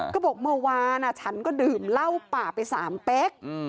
ก็บอกเมื่อวานฉันก็ดื่มเหล้าป่าไป๓เป๊ก